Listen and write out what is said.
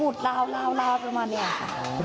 พูดร้องเพลงแล้วก็พูดลาวประมาณนี้ค่ะ